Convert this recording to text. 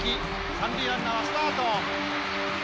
三塁ランナーはスタート！